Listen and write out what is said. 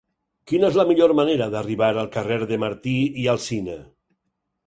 Quina és la millor manera d'arribar al carrer de Martí i Alsina?